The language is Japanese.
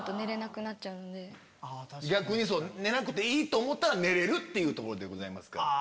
逆に寝なくていいと思ったら寝れるっていうところです。